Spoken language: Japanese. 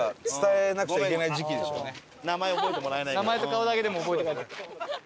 名前と顔だけでも覚えて帰って。